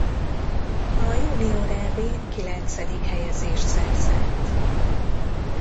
A junior Eb-n kilencedik helyezést szerzett.